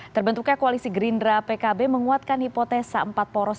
terbentuknya koalisi gerindra pkb menguatkan hipotesa empat poros